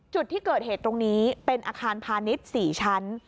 จุดที่เกิดเหตุตรงนี้เป็นอาคารพาณิชย์๔ชั้น